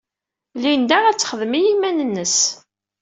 Linda ad texdem i yiman-nnes.